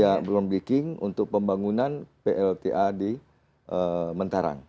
ya ground breaking untuk pembangunan plta di mentara